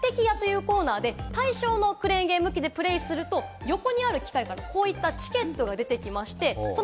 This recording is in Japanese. もってき屋というコーナーで、対象のクレーンゲーム機でプレイすると、横にある機械からこういったチケットが出てきました。